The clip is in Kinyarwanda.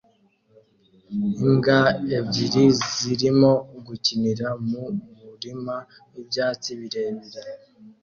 Imbwa ebyiri zirimo gukinira mu murima wibyatsi birebire